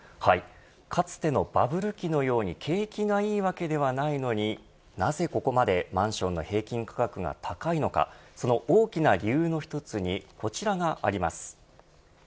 かつてのバブル期のように景気がいいわけではないのになぜここまで、マンションの平均価格が高いのかその大きな理由の１つにこちらがあります。